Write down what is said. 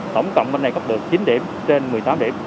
tổng cộng bên này có được chín điểm trên một mươi tám điểm